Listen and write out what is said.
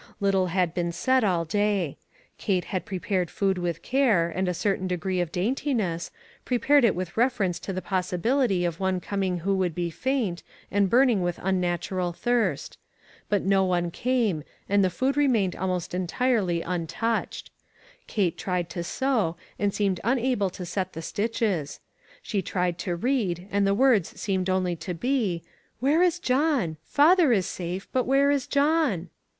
Little had been said all day. Kate had prepared food with care, and a certain degree of daintiness — prepared it with refer ence to the possibility of one coming who would be faint, and burning with unnatural thirst ; but no one came, and the food re mained almost entirely untouched. Kate 492 ONE COMMONPLACE DAY. tried to sew, and seemed unable to set the stitches ; she tried to read, and the words beeined only to be, "Where is John? Father is safe; but where is John?"